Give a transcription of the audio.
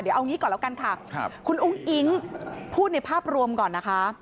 เดี๋ยวเอางี้ก่อนแล้วกันค่ะคุณอุ้งอิ๊งพูดในภาพรวมก่อนนะคะ